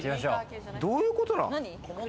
どういうことなの？